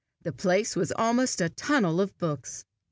The place was almost a tunnel of books.